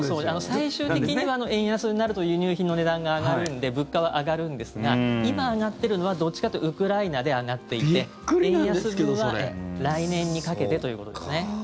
最終的には、円安になると輸入品の値段が上がるんで物価は上がるんですが今上がっているのはどっちかというとウクライナで上がっていて円安分は来年にかけてということですね。